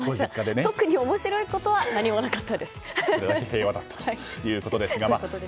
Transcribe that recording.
特に面白いことは何もなかったです。